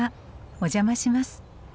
お邪魔します。